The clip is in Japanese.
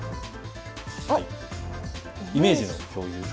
イメージの共有。